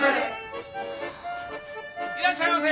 いらっしゃいませ！